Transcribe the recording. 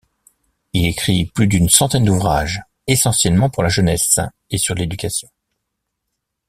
Il écrit plus d'une centaine d'ouvrages, essentiellement pour la jeunesse, et sur l'éducation.